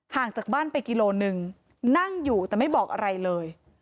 จากบ้านไปกิโลนึงนั่งอยู่แต่ไม่บอกอะไรเลย